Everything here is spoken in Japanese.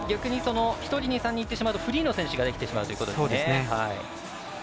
１人に３人いってしまうとフリーの選手ができてしまうということですね。